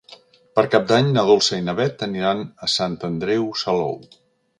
Per Cap d'Any na Dolça i na Beth aniran a Sant Andreu Salou.